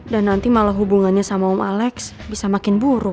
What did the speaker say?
dan nanti malah hubungannya sama om alex bisa makin buruk